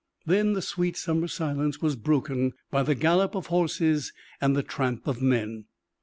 Then the sweet summer silence was broken by the gallop of horses and the tramp of men.